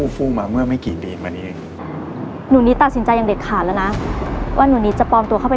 รู้ไหมยังจะได้ใจหรือเปล่า